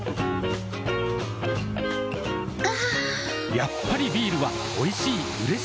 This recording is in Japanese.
やっぱりビールはおいしい、うれしい。